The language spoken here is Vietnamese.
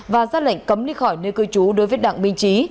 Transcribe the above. và ra lệnh cấm đi khỏi nơi cư trú đối với đặng minh trí